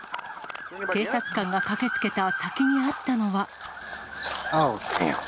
警察官が駆けつけた先にあったのは。